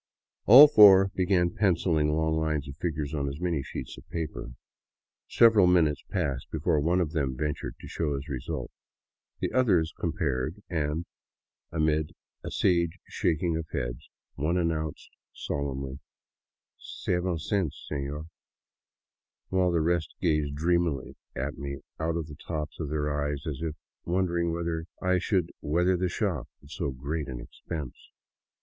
All four began pencilling long lines of figures on as many sheets of paper. Several minutes passed before one of them ventured to show his result. The others compared, and amid a sage shaking of heads one announced solemnly, " Seven cents, sefior," while the rest gazed dreamily at me out of the tops of their eyes, as if wondering whether I should weather the shock of so great an expense.